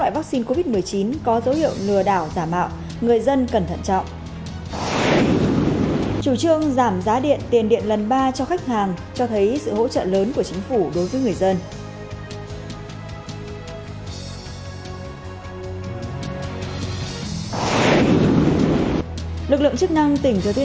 hãy đăng ký kênh để ủng hộ kênh của chúng mình nhé